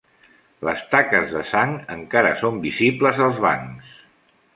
Les taques de sang encara són visibles als bancs.